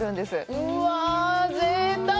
うわぁ、ぜいたく！